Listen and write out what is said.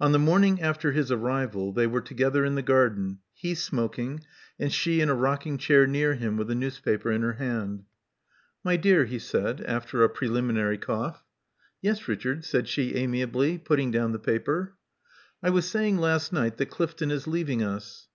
On the morning after his arrival, they were together in the garden, he smoking, and she in a rocking chair near him, with a newspaper in her hand. My dear,*' he said, after a preliminary cough. Yes, Richard," said she amiably, putting down the paper. I was saying last night that Clifton is leaving us."